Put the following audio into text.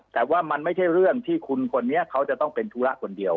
แต่ว่ามันไม่ใช่เรื่องที่คุณคนนี้เขาจะต้องเป็นธุระคนเดียว